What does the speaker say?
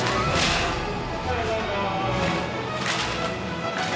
おはようございまーす。